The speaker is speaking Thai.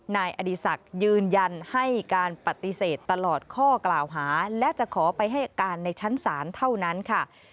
นายอดีศักดิ์ยืนยันให้การปฏิเสธตลอดข้อกล่าวหาและจะขอไปให้การในชั้นศาลเท่านั้นค่ะ